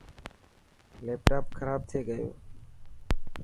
ليپٽاپ کراب ٿي گيو.